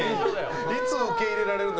いつ受け入れられるんだ